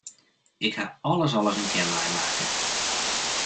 Ik haw alles al ris in kear meimakke.